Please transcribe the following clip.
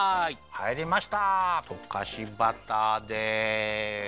はいりました！とかしバターです。